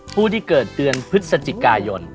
ผู้ที่เกิดเดือนพฤศจิกายน